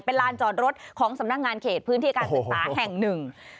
เป็นลานจอดรถของสำนักงานเขตพื้นที่การศึกษาแห่งหนึ่ง